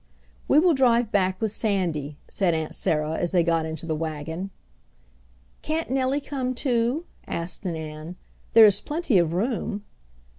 "We will drive back with Sandy," said Aunt Sarah as they got into the wagon. "Can't Nellie come too?" asked Nan. "There is plenty of room."